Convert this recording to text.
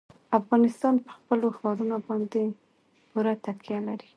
افغانستان په خپلو ښارونو باندې پوره تکیه لري.